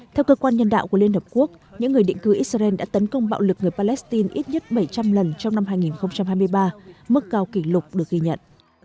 theo cơ quan nhân đạo của liên hợp quốc những người định cư israel đã tấn công bạo lực người palestine ít nhất bảy trăm linh lần trong năm hai nghìn hai mươi ba mức cao kỷ lục được ghi nhận